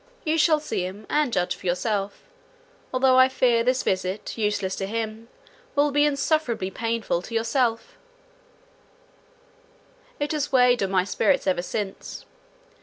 You shall see him, and judge for yourself; although I fear this visit, useless to him, will be insufferably painful to you. It has weighed on my spirits ever since.